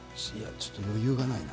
ちょっと余裕がないな。